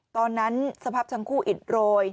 ตอนนั้นสภาพทั้งคู่อิดโรย